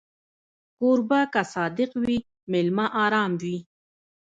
کوربه که صادق وي، مېلمه ارام وي.